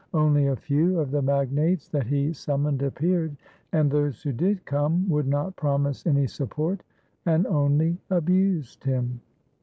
Only a few of the magnates that he summoned appeared, and those who did come would not promise any support and only abused him.